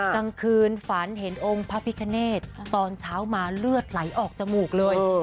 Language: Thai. กลางคืนฝันเห็นองค์พระพิคเนตตอนเช้ามาเลือดไหลออกจมูกเลย